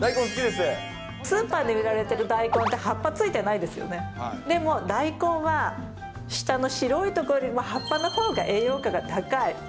スーパーで売られてる大根って葉っぱついてないですよね、でも大根は、下の白い所よりも、葉っぱのほうが栄養価が高い。